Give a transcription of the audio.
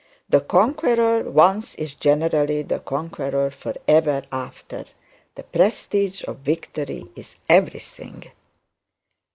The conqueror once is generally the conqueror for ever after. The prestige of victory is everything.